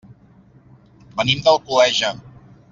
Venim d'Alcoleja.